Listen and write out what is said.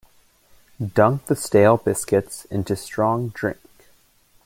Dunk the stale biscuits into strong drink.